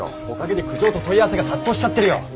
おかげで苦情と問い合わせが殺到しちゃってるよ！